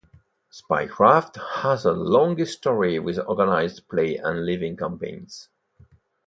Spycraft has a long history with Organized Play and Living Campaigns.